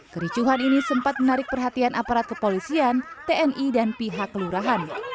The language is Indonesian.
kericuhan ini sempat menarik perhatian aparat kepolisian tni dan pihak kelurahan